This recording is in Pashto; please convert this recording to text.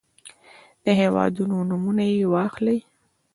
د هېوادونو نومونه يې واخلئ.